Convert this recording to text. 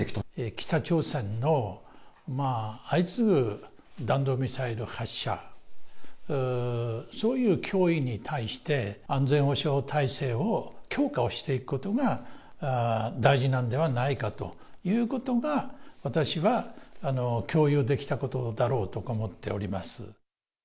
北朝鮮の相次ぐ弾道ミサイル発射、そういう脅威に対して、安全保障体制を強化をしていくことが大事なんではないかということが、私は共有できたことだろうと思っております。